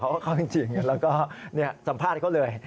เขาว่าเข้าน้ำจริงแล้วก็สัมภาษณ์เขาเลย